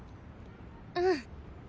うん。